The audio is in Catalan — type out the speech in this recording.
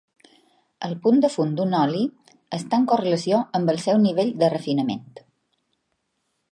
El punt de fum d'un oli està en correlació amb el seu nivell de refinament.